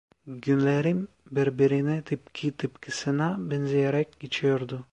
Günlerim birbirine tıpkı tıpkısına benzeyerek geçiyordu.